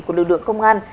của lực lượng công an